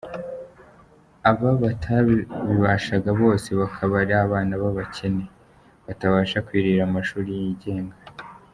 Aba batabibasha bose bakaba ari abana b’abakene batabasha kwirihira amashuli yigenga.